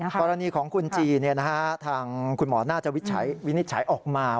กรณีของคุณจีทางคุณหมอน่าจะวินิจฉัยออกมา